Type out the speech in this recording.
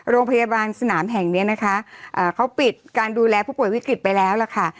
โรงพยาบาลสนามแห่งนี้นะคะเขาปิดการดูแลผู้ป่วยวิกฤตไปแล้วล่ะค่ะ